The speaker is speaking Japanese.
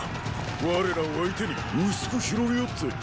我らを相手に薄く広げよって！